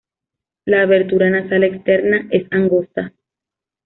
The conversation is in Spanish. La abertura nasal externa es angosta.